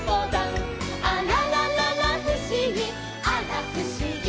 「あららららふしぎあらふしぎ」